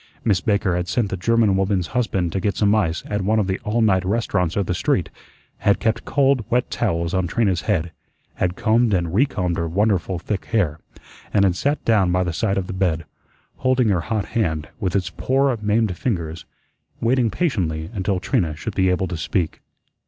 Miss Baker had sent the German woman's husband to get some ice at one of the "all night" restaurants of the street; had kept cold, wet towels on Trina's head; had combed and recombed her wonderful thick hair; and had sat down by the side of the bed, holding her hot hand, with its poor maimed fingers, waiting patiently until Trina should be able to speak.